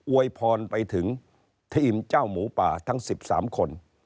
วยพรไปถึงทีมเจ้าหมูป่าทั้ง๑๓คน